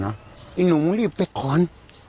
ไอ้หนูรีบไปขอน